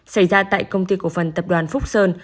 xảy ra tại công ty cổ phần tập đoàn phúc sơn